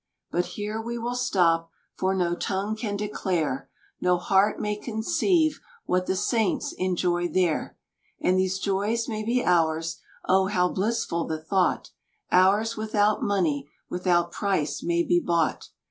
But here we will stop, for no tongue can declare, No heart may conceive what the Saints enjoy there. And these joys may be ours oh! how blissful the thought, Ours without money, without price may be bought.